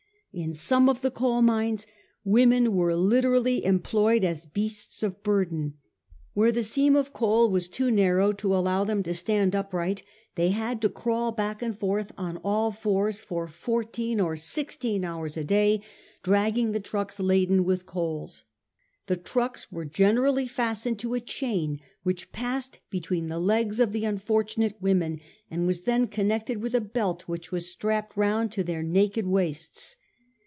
In some of the coal mines women were literally employed as beasts of burden. Where the seam of coal was too 304 A HISTORY OF OUR OWN TIMES. on. xiri. narrow to allow them to stand upright, they had to crawl hack and forward on all fours for fourteen or sixteen hours a day dragging the trucks laden with coals. The trucks were generally fastened to a chain which passed between the legs of the unfortunate women, and was then connected with a belt which was strapped round their naked waists.